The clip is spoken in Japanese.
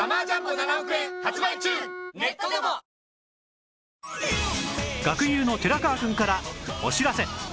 あ学友の寺川くんからお知らせ